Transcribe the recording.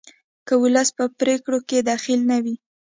که ولس په پریکړو کې دخیل نه وي